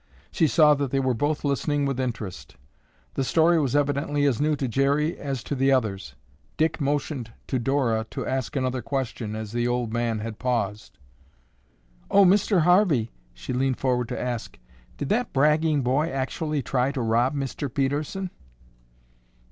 She saw that they were both listening with interest. The story was evidently as new to Jerry as to the others. Dick motioned to Dora to ask another question as the old man had paused. "Oh, Mr. Harvey," she leaned forward to ask, "did that bragging boy actually try to rob Mr. Pedersen?"